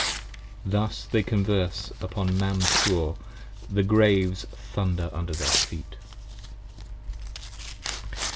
27 Thus they converse upon Mam Tor, the Graves thunder under their feet.